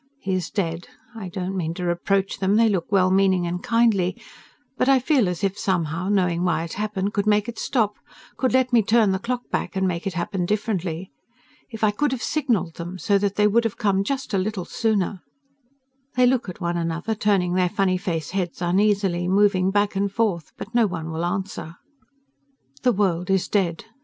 He is dead. I don't mean to reproach them they look well meaning and kindly but I feel as if, somehow, knowing why it happened could make it stop, could let me turn the clock back and make it happen differently. If I could have signaled them, so they would have come just a little sooner. They look at one another, turning their funny face heads uneasily, moving back and forth, but no one will answer. The world is dead....